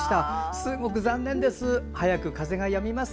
すごく残念です。